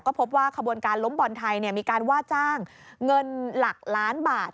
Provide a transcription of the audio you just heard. ก็พบว่าขบวนการล้มบอลไทยมีการว่าจ้างเงินหลักล้านบาท